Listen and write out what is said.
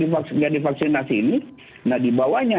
tidak divaksinasi ini nah dibawanya